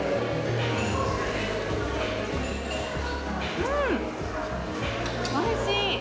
うーん、おいしい！